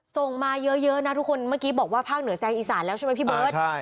ส่งมาเยอะนะทุกคนเมื่อกี้บอกว่าภาคเหนือแซงอีสานแล้วใช่ไหมพี่เบิร์ต